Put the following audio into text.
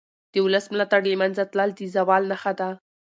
د ولس ملاتړ له منځه تلل د زوال نښه ده